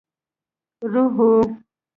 روح وو.